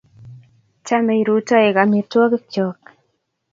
chamei rutoik amitwokikchok